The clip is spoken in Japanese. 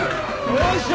よいしょ！